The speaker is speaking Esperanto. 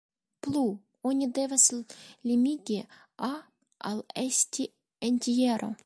Plu, oni devas limigi "a" al esti entjero.